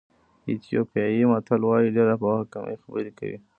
ایتیوپیایي متل وایي ډېره پوهه کمې خبرې کوي.